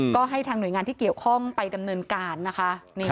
ก็ให้ทางหน่วยงานที่เกี่ยวข้องไปดำเนินการนะคะ